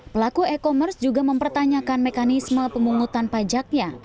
pelaku e commerce juga mempertanyakan mekanisme pemungutan pajaknya